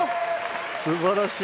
すばらしい。